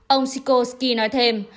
ông sikorsky nói thêm